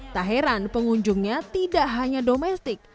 tak heran pengunjungnya tidak hanya domestik